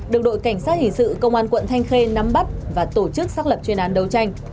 được đội cảnh sát hình sự công an quận thanh khê nắm bắt và tổ chức xác lập chuyên án đấu tranh